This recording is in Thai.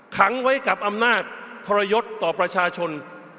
ขังไว้กับอำนาจทรยศต่อประชาชน